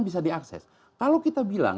bisa diakses kalau kita bilang